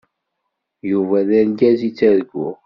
Yuba d argaz i ttarguɣ.